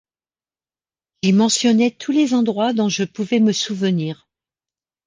J’y mentionnais tous les endroits dont je pouvais me souvenir.